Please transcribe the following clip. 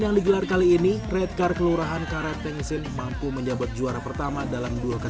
yang digelar kali ini red car kelurahan karet tengsin mampu menjabat juara pertama dalam dua